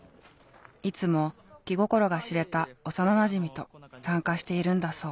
いつも気心が知れた幼なじみと参加しているんだそう。